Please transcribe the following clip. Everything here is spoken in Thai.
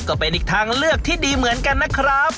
ก็เป็นอีกทางเลือกที่ดีเหมือนกันนะครับ